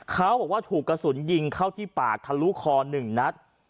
เขาบอกว่าถูกกระสุนยิงเข้าที่ปากทะลุคอ๑นัด